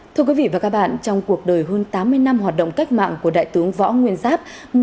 thưa quý vị và các bạn trong cuộc đời hơn tám mươi năm hoạt động cách mạng của đại tướng võ nguyên giáp